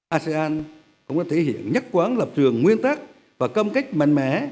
asean cũng đã thể hiện nhất quán lập trường nguyên tắc và công cách mạnh mẽ